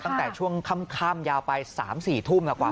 ตั้งแต่ช่วงค่ำยาวไป๓๔ทุ่มกว่า